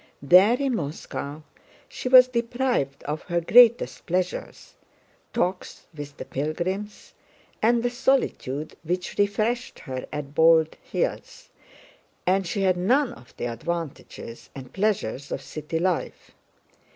There in Moscow she was deprived of her greatest pleasures—talks with the pilgrims and the solitude which refreshed her at Bald Hills—and she had none of the advantages and pleasures of city life.